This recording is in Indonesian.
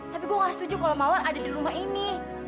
tapi gue gak setuju kalau mala ada di rumah ini